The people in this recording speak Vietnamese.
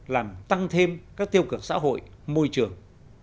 làm tăng thêm các tiêu cực xã hội môi trường